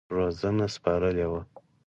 روزنه سپارلې وه.